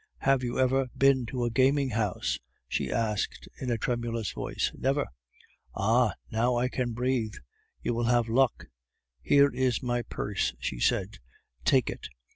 "Have you ever been to a gaming house?" she asked in a tremulous voice. "Never." "Ah! now I can breathe. You will have luck. Here is my purse," she said. "Take it!